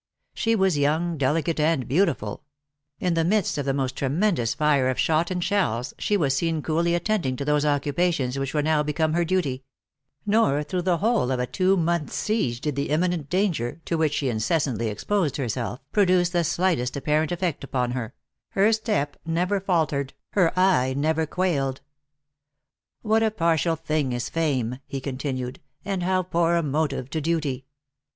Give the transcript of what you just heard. She was young, delicate and beautiful. In 12* 282 THE ACTRESS IN HIGH LIFE. the midst of the most tremendous fire of shot and shells, she was seen coolly attending to those occupa tions, which were now become her duty ; nor through the whole of a two month s siege did the imminent danger, to which she incessantly exposed herself, pro duce the slightest apparent effect upon her ; her step never faltered, her eye never quailed. What a par tial thing is fame," he continued, " and how poor a motive to duty